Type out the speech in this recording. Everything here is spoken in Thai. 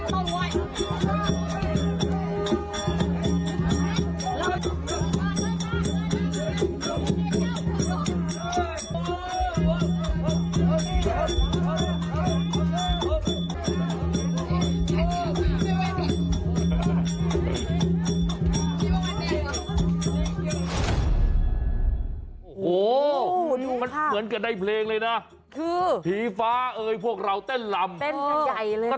โอ้โหมันเหมือนกับในเพลงเลยนะคือผีฟ้าเอ่ยพวกเราเต้นลำเต้นกันใหญ่เลย